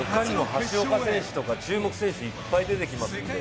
橋岡選手とか注目選手がいっぱい出てきますので。